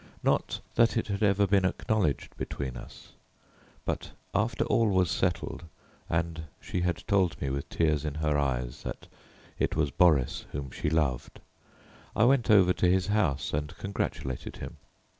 Not that it had ever been acknowledged between us. But after all was settled, and she had told me with tears in her eyes that it was Boris whom she loved, I went over to his house and congratulated him.